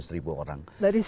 tiga ratus ribu orang